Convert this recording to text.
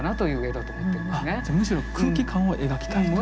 じゃむしろ空気感を描きたいと。